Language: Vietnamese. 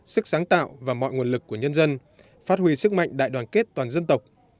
sức sáng tạo và mọi nguồn lực của nhân dân phát huy sức mạnh đại đoàn kết toàn dân tộc